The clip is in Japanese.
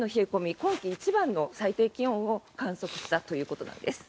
今季一番の最低気温を観測したということなんです。